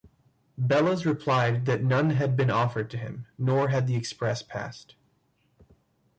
Bellas replied that none had been offered to him; nor had the express passed.